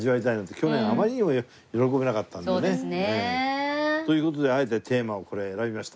去年あまりにも歓べなかったんでね。という事であえてテーマをこれ選びました。